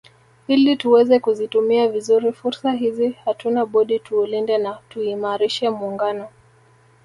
Ili tuweze kuzitumia vizuri fursa hizi hatuna budi tuulinde na tuuimarishe Muungano